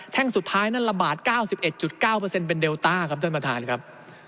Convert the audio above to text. สุดท้ายนั่นระบาด๙๑๙เป็นเดลต้าครับท่านประธานครับ